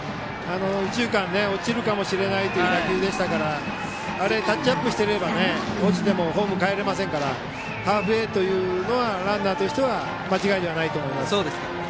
右中間に落ちるかもしれないという打球でしたからあれをタッチアップしていましたら落ちてもホームにかえれませんからハーフウエーというのはランナーとしては間違いじゃないと思います。